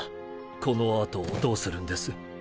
この後どうするんです？